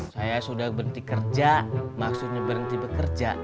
saya sudah berhenti kerja maksudnya berhenti bekerja